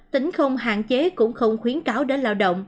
tính không hạn chế cũng không khuyến cáo đến lao động